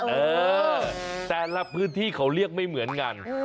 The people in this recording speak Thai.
เออแต่ละพื้นที่เขาเรียกไม่เหมือนกัน